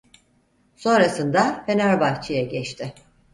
Sonrasında Fenerbahçe'ye geçti.